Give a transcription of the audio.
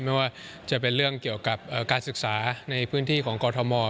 ไม่ว่าจะเป็นเรื่องเกี่ยวกับการศึกษาในพื้นที่ของกรทม